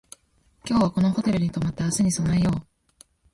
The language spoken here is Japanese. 今日はこのホテルに泊まって明日に備えよう